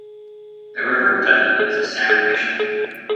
The River Duddon is a salmon fishery.